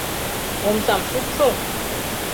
— Омсам шупшыл!